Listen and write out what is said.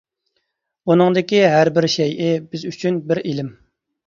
ئۇنىڭدىكى ھەربىر شەيئى بىز ئۈچۈن بىر ئېلىم.